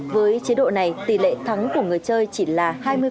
với chế độ này tỷ lệ thắng của người chơi chỉ là hai mươi